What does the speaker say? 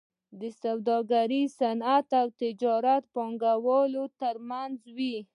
دا سوداګري د صنعتي او تجارتي پانګوالو ترمنځ وي